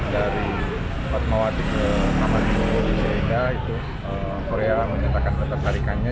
dari fatmawati ke taman mini indonesia itu korea menyatakan ketertarikannya